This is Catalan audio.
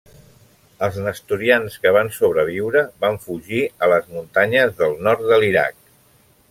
Els nestorians que van sobreviure van fugir a les muntanyes del nord de l'Iraq.